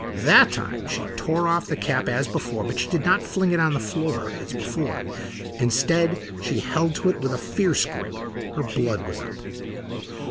That time she tore off the cap as before, but she did not fling it on the floor as before. Instead she held to it with a fierce grip. Her blood was up.